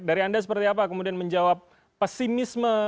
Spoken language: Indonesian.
dari anda seperti apa kemudian menjawab pesimisme